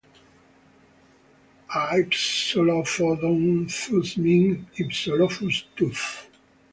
"Hypsilophodon" thus means "Hypsilophus"-tooth".